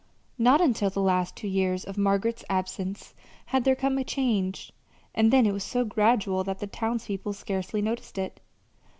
Not until the last two years of Margaret's absence had there come a change, and then it was so gradual that the townspeople scarcely noticed it.